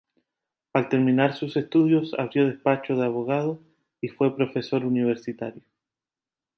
Al terminar sus estudios abrió despacho de abogado y fue profesor universitario.